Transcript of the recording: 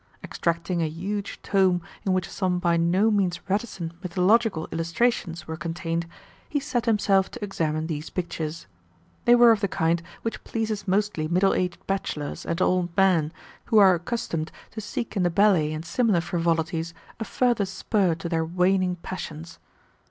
Extracting a huge tome in which some by no means reticent mythological illustrations were contained, he set himself to examine these pictures. They were of the kind which pleases mostly middle aged bachelors and old men who are accustomed to seek in the ballet and similar frivolities a further spur to their waning passions.